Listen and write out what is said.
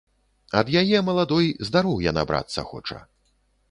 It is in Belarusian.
Ад яе, маладой, здароўя набрацца хоча.